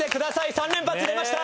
３連発出ました！